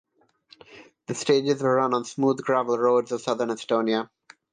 The stages were run on smooth gravel roads of Southern Estonia.